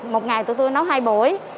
một ngày tụi tôi nấu hai buổi